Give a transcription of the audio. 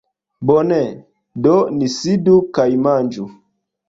Bone, do ni sidu kaj manĝu